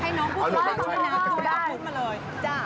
ให้น้องพูดมาเลย